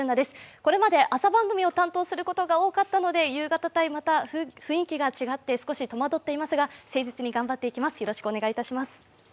これまで朝番組を担当することが多かったので夕方帯、また雰囲気が違って少し戸惑っていますが誠実に頑張っていきます。